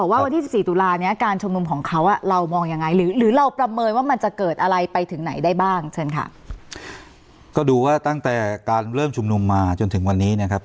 ว่าวันที่สิบสี่ตุลาเนี้ยการชุมนุมของเขาอ่ะเรามองยังไงหรือเราประเมินว่ามันจะเกิดอะไรไปถึงไหนได้บ้างเชิญค่ะก็ดูว่าตั้งแต่การเริ่มชุมนุมมาจนถึงวันนี้นะครับ